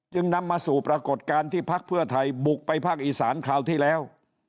นำมาสู่ปรากฏการณ์ที่พักเพื่อไทยบุกไปภาคอีสานคราวที่แล้ว